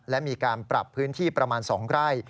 และมีการปรับพื้นที่ประมาณ๒ไร่